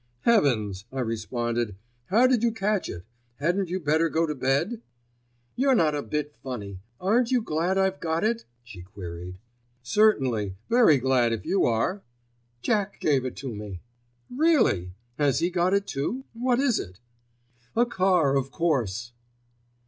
"Heavens!" I responded. "How did you catch it? Hadn't you better go to bed?" "You're not a bit funny. Aren't you glad I've got it?" she queried. "Certainly, very glad if you are." "Jack gave it to me." "Really? Has he got it too? What is it?" "A car, of course!"